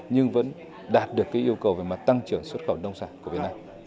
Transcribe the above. nhưng vẫn đạt được cái yêu cầu về mặt tăng trưởng xuất khẩu nông sản của việt nam